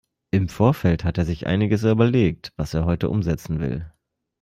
Im Vorfeld hat er sich einiges überlegt, was er heute umsetzen will.